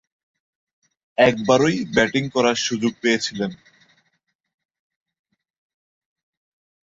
একবারই ব্যাটিং করার সুযোগ পেয়েছিলেন।